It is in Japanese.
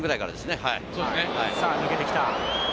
抜けてきた！